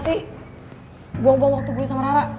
nanti gue buang buang waktu gue sama rara